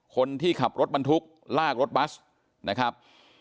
คนที่ขับรถบรรทุกลากรถบัสนะครับ